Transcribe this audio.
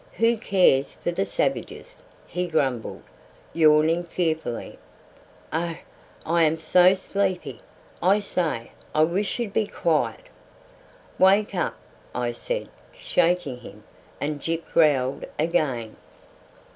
"Who cares for the savages?" he grumbled, yawning fearfully. "Oh! I am so sleepy. I say, I wish you'd be quiet!" "Wake up!" I said, shaking him; and Gyp growled again.